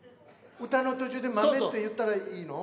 歌の途中で豆って言ったらいいの？